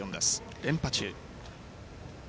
連覇中。